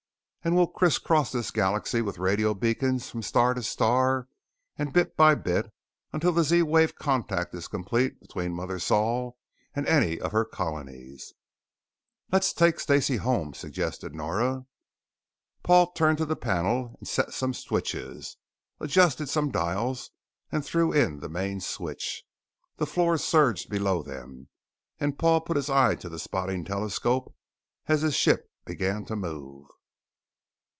And we'll criss cross this galaxy with radio beacons from star to star and bit by bit until the Z wave contact is complete between Mother Sol and any of her Colonies." "Let's take Stacey home," suggested Nora. Paul turned to the panel and set some switches, adjusted some dials, and threw in the main switch. The floor surged below them and Paul put his eye to the spotting telescope as his ship began to move.